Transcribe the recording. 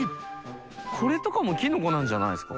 これとかもきのこなんじゃないですか？